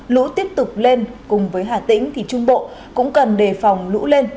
lũ tiếp tục lên cùng với hà tĩnh thì trung bộ cũng cần đề phòng lũ lên